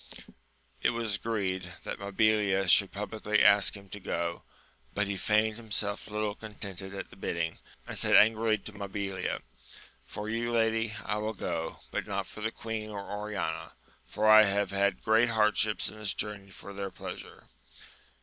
It was 20 AMADIS OF GAUL. agreed that Mabilia should publicly ask him to go ; but he feigned himself little contented at the bidding, and said, angrily to Mabilia, For you, lady, I will go, but not for the queen or Oriana, for I have had great hardships in this journey for their pleasure.